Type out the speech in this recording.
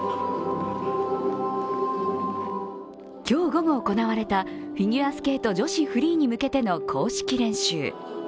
今日午後行われたフィギュアスケート女子フリーに向けての公式練習。